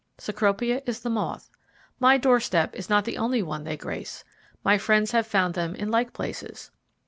Cecropia is the moth. My doorstep is not the only one they grace; my friends have found them in like places.